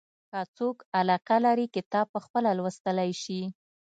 که څوک علاقه لري کتاب پخپله لوستلای شي.